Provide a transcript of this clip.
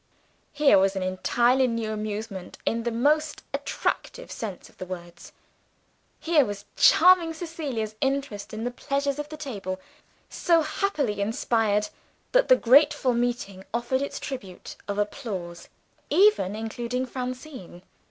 Here was an entirely new amusement, in the most attractive sense of the words! Here was charming Cecilia's interest in the pleasures of the table so happily inspired, that the grateful meeting offered its tribute of applause even including Francine.